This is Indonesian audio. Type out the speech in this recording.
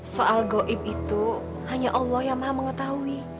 soal gaib itu hanya allah yang maham mengetahui